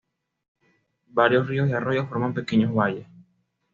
Varios ríos y arroyos forman pequeños valles.